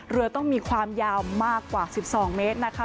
เรือต้องมีความยาวมากกว่า๑๒เมตรนะคะ